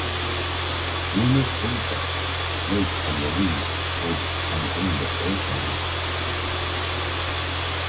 Numerous insects live on the leaves, buds, and in the acorns.